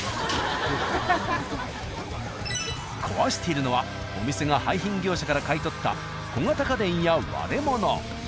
壊しているのはお店が廃品業者から買い取った小型家電や割れ物。